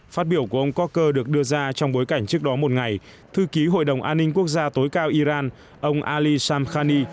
phát biểu của ông corker được đưa ra trong bối cảnh trước đó một ngày thư ký hội đồng an ninh quốc gia tối cao iran ông ali samkhani